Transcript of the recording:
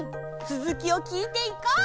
つづきを聞いていこう！